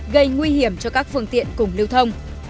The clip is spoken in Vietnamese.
gây nguy hiểm cho các phương tiện cùng lưu thông